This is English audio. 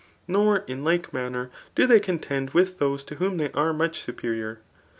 Nor, in like manner, do tkey contend with those to whom they are much superior.